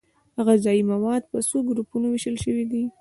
غذايي مواد په څو ګروپونو ویشل شوي دي